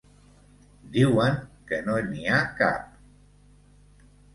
Diuen que no n'hi ha cap.